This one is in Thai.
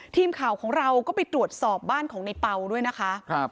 ทีมข่าวของเราก็ไปตรวจสอบบ้านของในเปล่าด้วยนะคะ